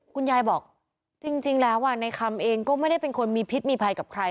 คุณยายบอกจริงแล้วในคำเองก็ไม่ได้เป็นคนมีพิษมีภัยกับใคร